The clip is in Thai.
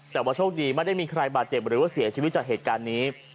แต่ว่าโชคดีไม่ได้มีใครบาดเจ็บหรือว่าเสียชีวิตจากเหตุการณ์นี้